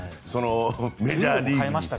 メジャーリーグに。